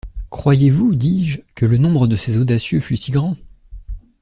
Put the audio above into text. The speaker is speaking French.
Croyez-vous, dis-je, que le nombre de ces audacieux fût si grand?